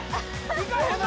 いかへんの？